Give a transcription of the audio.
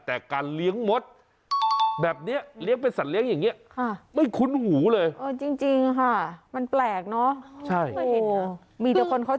แต่การเลี้ยงมดแบบนี้เลี้ยงเป็นสัตว์เลี้ยงอย่างนี้ไม่คุ้นหูเลย